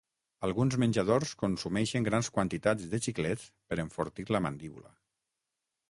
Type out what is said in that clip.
Alguns menjadors consumeixen grans quantitats de xiclets per enfortir la mandíbula.